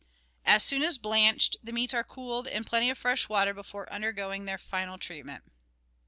As soon as blanched, the meats are cooled in plenty of fresh water before undergoing their final treatment.